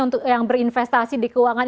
untuk yang berinvestasi di keuangan